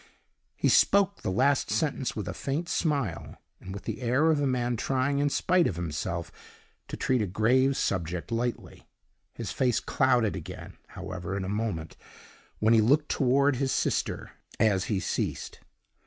He spoke the last sentence with a faint smile, and with the air of a man trying, in spite of himself, to treat a grave subject lightly. His face clouded again, however, in a moment, when he looked toward his sister, as he ceased.